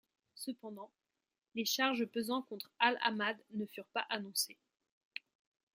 Cependant, les charges pesant contre Al-Hamad ne furent pas annoncées.